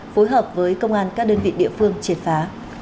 phối hợp với công an các đơn vị địa phương triệt phá